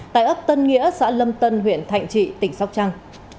tại ấp tân nghĩa xã lâm tân huyện thạnh trị tỉnh sóc trăng